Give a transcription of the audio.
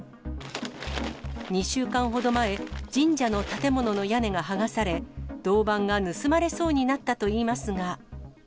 ２週間ほど前、神社の建物の屋根が剥がされ、銅板が盗まれそうになったといいますが。